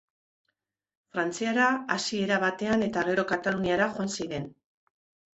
Frantziara hasiera batean eta gero Kataluniara joan ziren.